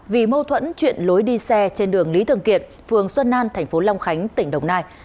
vì mâu thuẫn chuyện lối đi xe trên đường lý thường kiệt phường xuân an thành phố long khánh tỉnh đồng nai